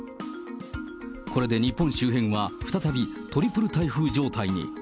これで日本周辺は再びトリプル台風状態に。